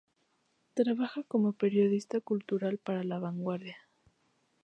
Trabaja como periodista cultural para La Vanguardia.